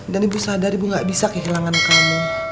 dan ibu sadar ibu gak bisa kehilangan kamu